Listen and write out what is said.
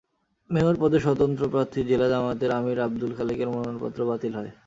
Mayor পদে স্বতন্ত্র প্রার্থী জেলা জামায়াতের আমির আবদুল খালেকের মনোনয়নপত্র বাতিল হয়।